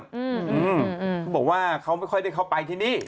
เขาบอกว่าเขาไม่ค่อยได้เข้าไปที่นี่